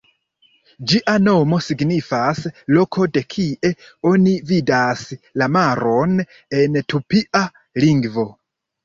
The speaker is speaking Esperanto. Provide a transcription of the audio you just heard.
Ĝia nomo signifas "loko de kie oni vidas la maron" en tupia lingvo.